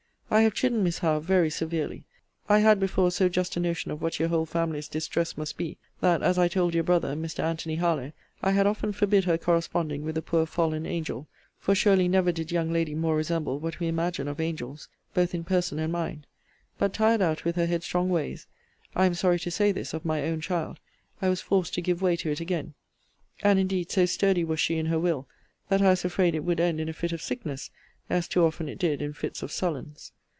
I have chidden Miss Howe very severely. I had before so just a notion of what your whole family's distress must be, that, as I told your brother, Mr. Antony Harlowe, I had often forbid her corresponding with the poor fallen angel for surely never did young lady more resemble what we imagine of angels, both in person and mind. But, tired out with her headstrong ways, [I am sorry to say this of my own child,] I was forced to give way to it again. And, indeed, so sturdy was she in her will, that I was afraid it would end in a fit of sickness, as too often it did in fits of sullens.